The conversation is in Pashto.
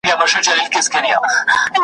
یا را یاد کم یو په یو هغه ځایونه `